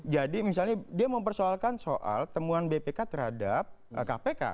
jadi misalnya dia mempersoalkan soal temuan bpk terhadap kpk